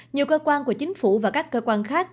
nhiều cơ quan của chính phủ và các cơ quan khác